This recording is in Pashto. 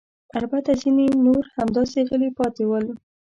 البته ځیني نور همداسې غلي پاتې ول.